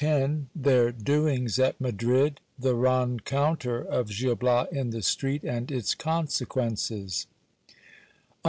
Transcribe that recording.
— Thar doings at Madrid. The reticounter of Gil Bias in the street, and its consequences.